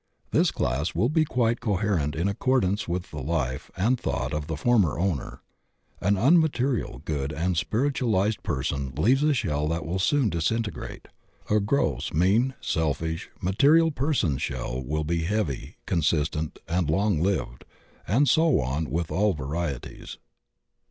This class will be quite co herent in accordance with the life and thought of the former owner. An unmaterial, good, and spiritualized person leaves a shell that wiQ soon disintegrate. A gross, mean, selfish, material person's shell will be heavy, consistent, and long lived; and so on with all varieties.